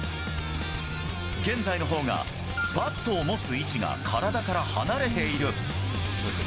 現在のほうがバットを持つ位置が体から離れている。